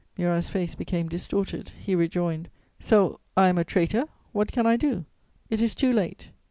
Murat's face became distorted; he rejoined: "So I am a traitor? What can I do? It is too late!"